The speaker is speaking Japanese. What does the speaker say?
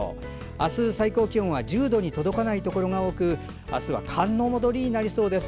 明日、最高気温は１０度に届かないところが多く明日は寒の戻りになりそうです。